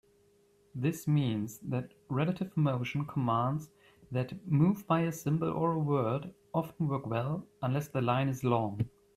This means that relative motion commands that move by a symbol or word often work well unless the line is long.